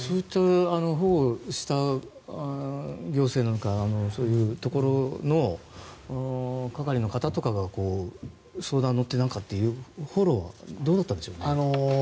保護した行政なんかのところの係の方とかが相談に乗っていたかというフォローはどうだったんでしょうね。